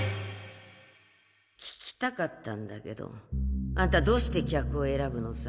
聞きたかったんだけどあんたどうして客を選ぶのさ？